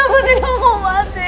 aku tidak mau mati